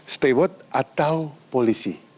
steward atau polisi